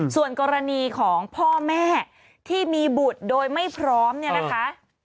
ส่วนกรณีของพ่อแม่ที่มีบุตรโดยไม่พร้อมเนี่ยนะคะ